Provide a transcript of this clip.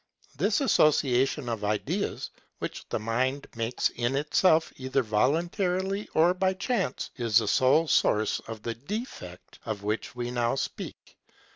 This association of ideas, which the mind makes in itself either voluntarily or by chance, is the sole source of the defect of which we now speak.